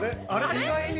意外に。